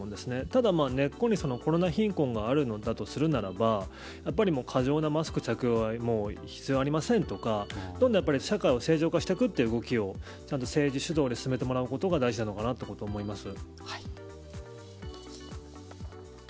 ただ、根っこにコロナ貧困があるのだとするならば過剰なマスク着用は必要ありませんとか社会を正常化していく動きをちゃんと政治主導で進めてもらうのが大事なのかなと思います。